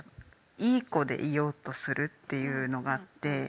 いい子でいようとするっていうのがあって。